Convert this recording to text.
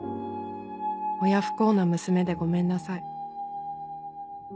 親不孝な娘でごめんなさい。